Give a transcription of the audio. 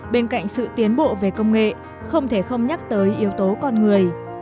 bên cạnh sự tiến bộ về công nghệ không thể không nhắc tới yếu tố con người